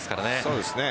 そうですね。